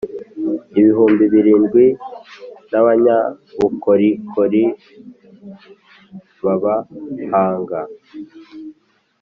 ibihumbi birindwi n abanyabukorikori b abahanga